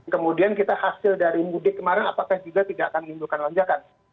kemudian kita hasil dari mudik kemarin apakah juga tidak akan menimbulkan lonjakan